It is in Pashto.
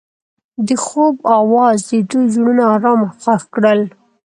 د خوب اواز د دوی زړونه ارامه او خوښ کړل.